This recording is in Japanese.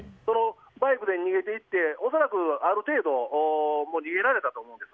バイクで逃げて行って恐らくある程度逃げられたと思うんです。